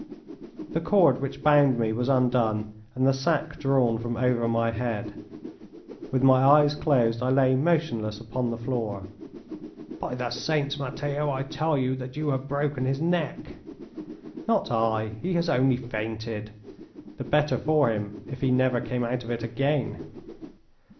The cord which bound me was undone and the sack drawn from over my head. With my eyes closed I lay motionless upon the floor. "By the saints, Matteo, I tell you that you have broken his neck." "Not I. He has only fainted. The better for him if he never came out of it again."